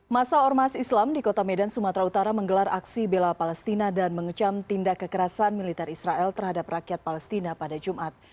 masa ormas islam di kota medan sumatera utara menggelar aksi bela palestina dan mengecam tindak kekerasan militer israel terhadap rakyat palestina pada jumat